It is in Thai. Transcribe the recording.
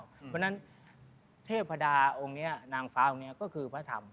เพราะฉะนั้นเทพดาองค์นี้นางฟ้าองค์นี้ก็คือพระธรรม